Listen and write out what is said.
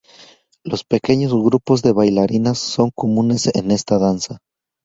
Los pequeños grupos de bailarinas son comunes en esta danza.